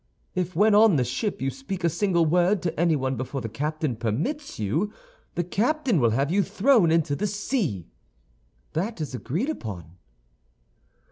If when on the ship you speak a single word to anyone before the captain permits you, the captain will have you thrown into the sea. That is agreed upon.